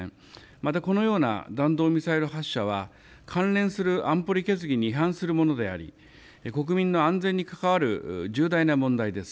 またこのような弾道ミサイル発射は関連する安保理決議に違反するものであり国民の安全に関わる重大な問題です。